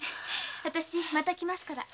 また来ますから。